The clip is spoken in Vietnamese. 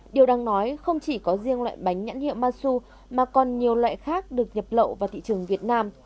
điều đang nói không chỉ có riêng loại bánh nhãn hiệu masu mà còn nhiều loại khác được nhập lậu vào thị trường việt nam